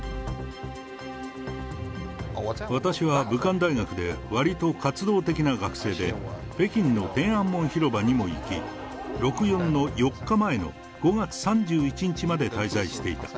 私は武漢大学でわりと活動的な学生で、北京の天安門広場にも行き、六四の４日前の５月３１日まで滞在していた。